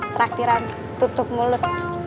traktiran tutup mulut